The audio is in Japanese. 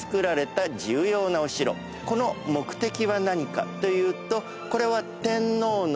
この目的は何かというとこれは。